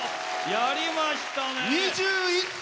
やりましたね！